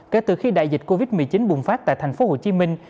kể từ khi đại dịch covid một mươi chín bùng phát tại thành phố hồ chí minh